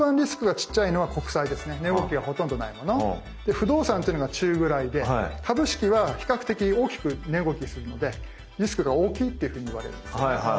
不動産というのが中ぐらいで株式は比較的大きく値動きするのでリスクが大きいっていうふうにいわれるんですね。